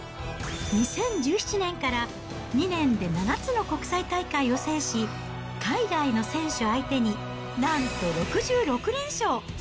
２０１７年から、２年で７つの国際大会を制し、海外の選手相手になんと６６連勝。